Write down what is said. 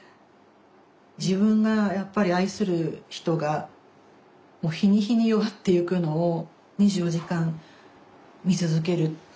自分がやっぱり愛する人が日に日に弱っていくのを２４時間見続ける。